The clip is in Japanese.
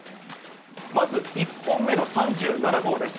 まず１本目の３７号です。